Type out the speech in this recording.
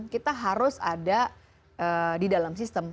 kita harus ada di dalam sistem